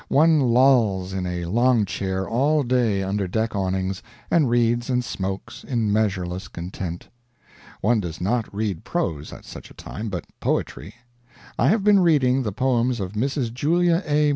. One lolls in a long chair all day under deck awnings, and reads and smokes, in measureless content. One does not read prose at such a time, but poetry. I have been reading the poems of Mrs. Julia A.